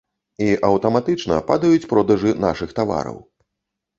І, аўтаматычна, падаюць продажы нашых тавараў.